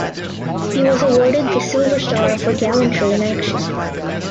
He was awarded the Silver Star "for "gallantry in action.